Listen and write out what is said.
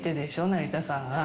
成田さんが。